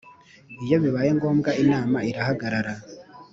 Iyo bibaye ngombwa Inama irahagarara